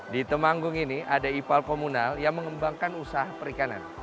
di temanggung ini ada ipal komunal yang mengembangkan usaha perikanan